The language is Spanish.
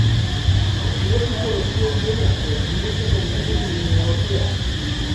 Estudió filosofía en Viena, pero terminó especializándose en mineralogía.